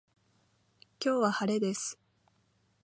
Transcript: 今日は晴れです